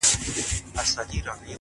هره تجربه نوی حکمت دربښي